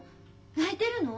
泣いてるの？